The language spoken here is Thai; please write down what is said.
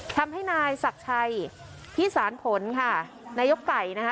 ทำให้นายศักดิ์ชัยพิสารผลค่ะนายกไก่นะคะ